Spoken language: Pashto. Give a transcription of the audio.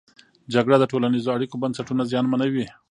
جګړه د ټولنیزو اړیکو بنسټونه زیانمنوي.